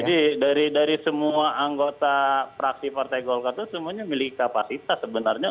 jadi dari semua anggota praksi partai golkar itu semuanya memiliki kapasitas sebenarnya